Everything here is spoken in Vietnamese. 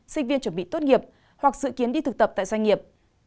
sinh viên chuẩn bị tốt nghiệp hoặc dự kiến đi thực tập tại doanh nghiệp